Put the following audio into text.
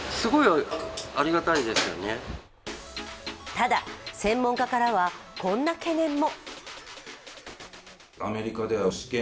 ただ、専門家からはこんな懸念も。